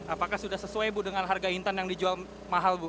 apakah sudah sesuai bu dengan harga intan yang dijual mahal bu